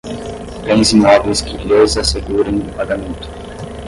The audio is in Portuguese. bens imóveis que lhes assegurem o pagamento